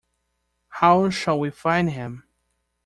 How shall we find him?